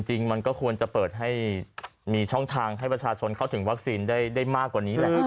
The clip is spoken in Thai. จริงมันก็ควรจะเปิดให้มีช่องทางให้ประชาชนเข้าถึงวัคซีนได้มากกว่านี้แหละ